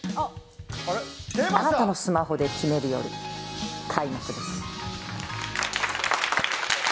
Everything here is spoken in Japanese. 貴方のスマホで決める夜開幕です。